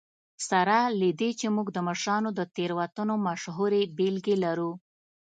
سره له دې چې موږ د مشرانو د تېروتنو مشهورې بېلګې لرو.